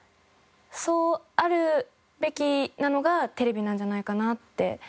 そうあるべきなのがテレビなんじゃないかなって。